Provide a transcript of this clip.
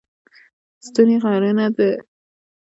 ستوني غرونه د افغانانو د اړتیاوو د پوره کولو وسیله ده.